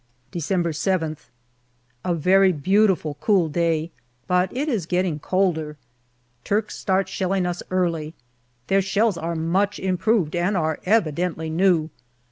December 7th. A very beautiful, cool day, but it is getting colder. Turks start shelling us early. Their shells are much improved and are evidently new.